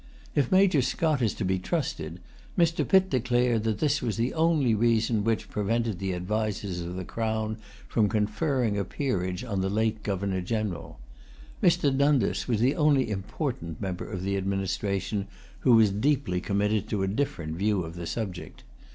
If Major Scott is to be trusted, Mr. Pitt declared that this was the only reason which prevented the advisers of the Crown from conferring a peerage on the late Governor General. Mr. Dundas was the only important member of the administration who was deeply committed to a different view of the subject.